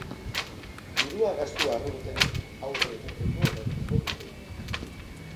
Dirua gastu arruntei aurre egiteko erabiliko dute.